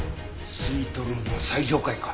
スイートルームは最上階か。